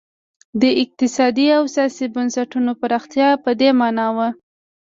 د اقتصادي او سیاسي بنسټونو پراختیا په دې معنا وه.